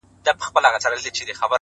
هغه خو دا خبري پټي ساتي _